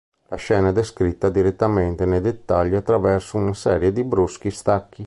La scena è descritta direttamente e nei dettagli, attraverso una serie di bruschi stacchi.